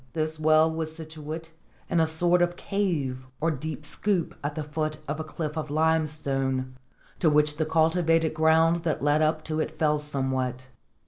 This well was situate in a sort of cave or deep scoop at the foot of a cliff of limestone, to which the cultivated ground that led up to it fell somewhat.